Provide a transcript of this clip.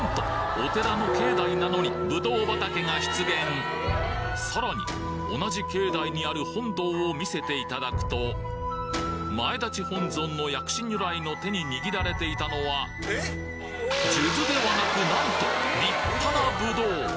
お寺の境内なのにさらに同じ境内にある本堂を見せていただくと前立本尊の薬師如来の手に握られていたのは数珠ではなくなんと立派なぶどう！